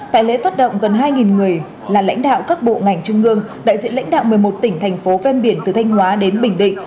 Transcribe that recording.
tại lễ phát động gần hai người là lãnh đạo các bộ ngành trung ương đại diện lãnh đạo một mươi một tỉnh thành phố ven biển từ thanh hóa đến bình định